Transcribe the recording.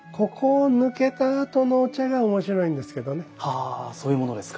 あそういうものですか。